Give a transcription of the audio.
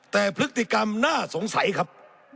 แต่พฤติกรรมน่าสงสัยครับ